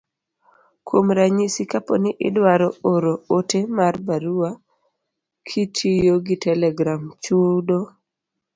Kuom ranyisi, kapo ni idwaro oro ote mar barua kitiyo gi telegram, chudo